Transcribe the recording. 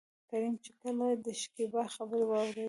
کريم چې کله دشکيبا خبرې واورېدې.